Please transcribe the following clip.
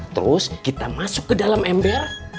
terus kita masuk ke dalam ember